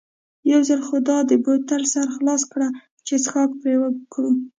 یو ځل خو دا د بوتل سر خلاص کړه چې څښاک پرې وکړو.